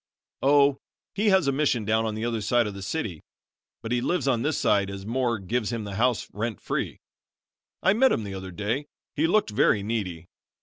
"Oh, he has a mission down on the other side of the city, but he lives on this side as Moore gives him the house rent free. I met him the other day. He looked very needy.